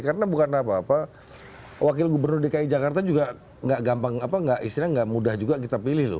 karena bukan apa apa wakil gubernur dki jakarta juga nggak mudah juga kita pilih loh